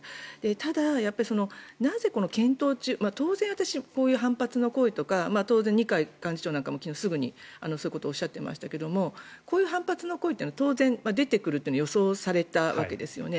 ただ、なぜ検討中当然、こういう反発の声とか二階幹事長も昨日すぐにそういうことをおっしゃっていましたけどこういう反発の声というのは当然、出てくるというのは予想されたわけですよね。